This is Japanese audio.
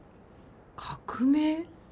「革命」？